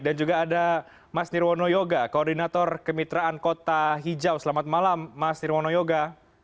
dan juga ada mas nirwono yoga koordinator kemitraan kota hijau selamat malam mas nirwono yoga